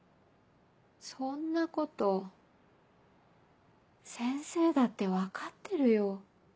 そんなこと先生だって分かってるよ。